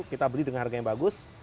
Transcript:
kita beli dengan harga yang bagus